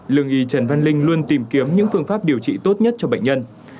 lương y trần văn linh luôn tìm kiếm những phương pháp điều trị tốt nhất cho bệnh nhân